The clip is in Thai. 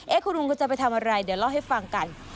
คุณลุงก็จะไปทำอะไรเดี๋ยวเล่าให้ฟังกัน